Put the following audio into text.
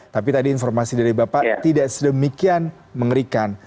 tapi tadi informasi dari bapak tidak sedemikian mengerikan